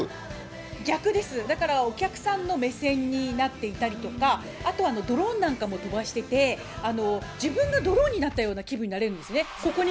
逆です、だからお客さんの目線になっていたとか、あとドローンなんかも飛ばしてて、自分がドローンになったような気分になれるんですよね。